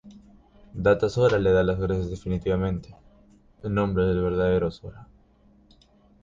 Data Sora le da las gracias definitivamente, en nombre del verdadero Sora.